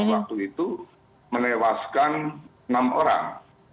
waktu itu menewaskan enam orang